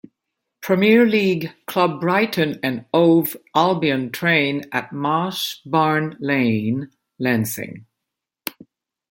Premier League club Brighton and Hove Albion train at Mash Barn Lane, Lancing.